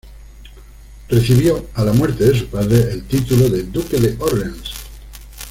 Recibió, a la muerte de su padre, el título de duque de Orleans.